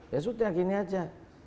ya sudah gini aja